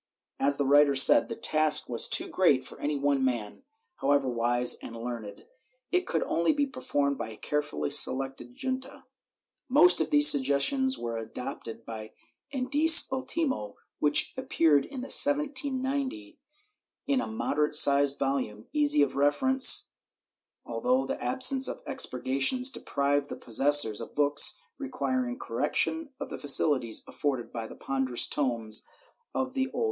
As the writer said, the task was too great for any one man, however wise and learned; it could only be performed by a carefully selected junta.^ Most of these sug gesuions were adopted in the Indice Ultimo, which appeared in 1790, in a moderate sized volume, easy of reference, although the absence of expurgations deprived the possessors of books requiring correction of the facilities afforded by the ponderous tomes of the older Indexes.